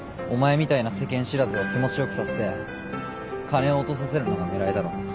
お前みたいな世間知らずを気持ちよくさせて金を落とさせるのが狙いだろ。